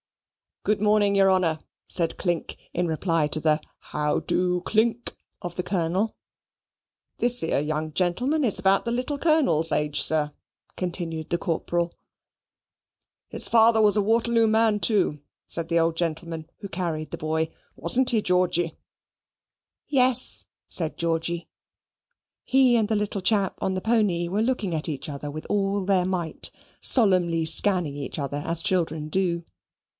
"Good morning, your Honour," said Clink, in reply to the "How do, Clink?" of the Colonel. "This ere young gentleman is about the little Colonel's age, sir," continued the corporal. "His father was a Waterloo man, too," said the old gentleman, who carried the boy. "Wasn't he, Georgy?" "Yes," said Georgy. He and the little chap on the pony were looking at each other with all their might solemnly scanning each other as children do.